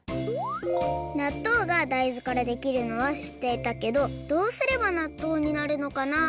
なっとうが大豆からできるのはしっていたけどどうすればなっとうになるのかな？